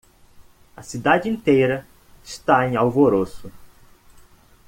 A cidade inteira está em alvoroço.